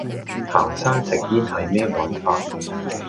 行山食煙係咩玩法?